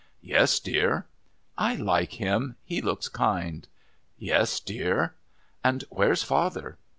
"Yes, dear." "I like him. He looks kind." "Yes, dear." "And where's father?"